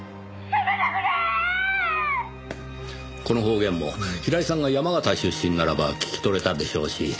この方言も平井さんが山形出身ならば聞き取れたでしょうし